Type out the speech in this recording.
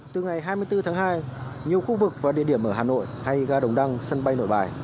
từ ngày hai mươi bốn tháng hai nhiều khu vực và địa điểm ở hà nội hay ga đồng đăng sân bay nội bài